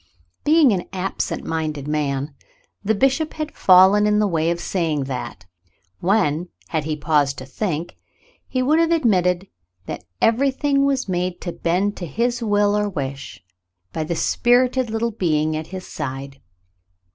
Being an absent minded man, the bishop had fallen in the way of saying that, when, had he paused to think, he would have admitted that everything was made to bend to his will or wish by the spirited little being at his side.